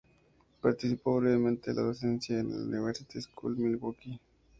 Practicó brevemente la docencia en el "University School of Milwaukee".